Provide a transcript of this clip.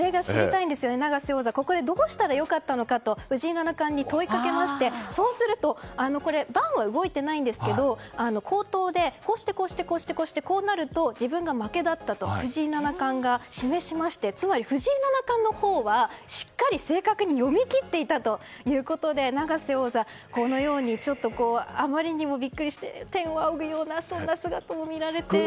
永瀬王座、ここでどうしたら良かったのかと藤井七冠に問いかけると盤は動いていませんが口頭で、こうしてこうしてこうなると、自分が負けだったと藤井七冠が示しましてつまり藤井七冠はしっかり正確に読み切っていたということで永瀬王座、このようにあまりにもビックリして天を仰ぐようなそんな姿も見られました。